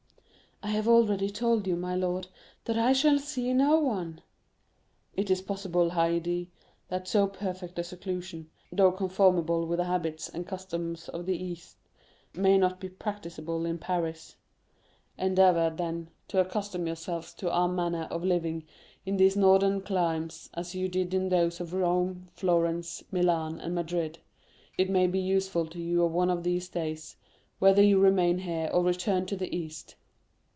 "I have already told you, my lord, that I shall see no one." "It is possible, Haydée, that so perfect a seclusion, though conformable with the habits and customs of the East, may not be practicable in Paris. Endeavor, then, to accustom yourself to our manner of living in these northern climes as you did to those of Rome, Florence, Milan, and Madrid; it may be useful to you one of these days, whether you remain here or return to the East."